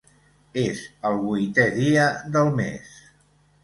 És el vuitè dia del mes.